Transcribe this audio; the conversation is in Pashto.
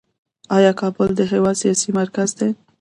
آیا کابل د هیواد سیاسي مرکز دی؟